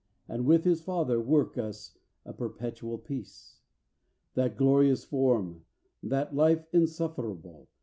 And with his Father work us a perpetual peace. n That glorious Form, that Light unsuflferable.